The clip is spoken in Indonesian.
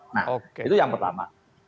nah itu yang pertama